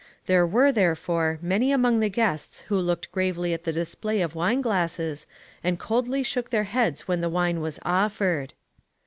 There were, therefore, many among the guests who looked gravely at the display of wine glasses, and coldly shook their heads when the wine was offered.